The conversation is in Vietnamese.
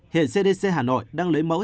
hiện cdc hà nội đang lấy mẫu